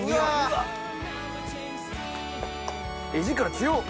画力強っ！